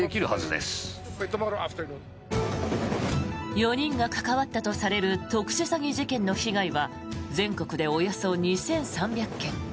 ４人が関わったとされる特殊詐欺事件の被害は全国でおよそ２３００件。